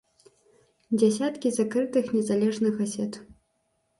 Дзесяткі закрытых незалежных газет.